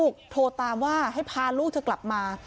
ครับ